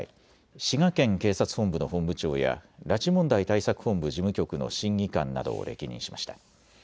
滋賀県警察本部の本部長や拉致問題対策本部事務局の審議官などを歴任しました。